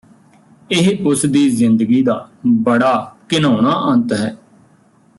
ਇਹ ਉਸਦੀ ਜ਼ਿੰਦਗੀ ਦਾ ਬੜਾ ਘਿਨਾਉਣਾ ਅੰਤ ਹੈ